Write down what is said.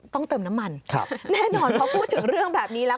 เติมน้ำมันแน่นอนพอพูดถึงเรื่องแบบนี้แล้ว